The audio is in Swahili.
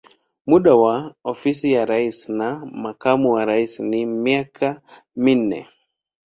Muda wa ofisi ya rais na makamu wa rais ni miaka minne.